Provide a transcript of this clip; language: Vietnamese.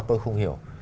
tôi không hiểu